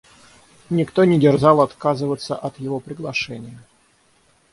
Никто не дерзал отказываться от его приглашения.